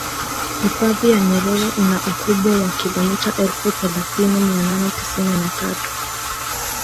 hifadhi ya nyerere ina ukubwa wa kilomita elfu thelathini mia nane tisini na tatu